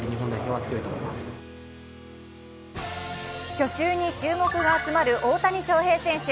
去就に注目が集まる大谷翔平選手。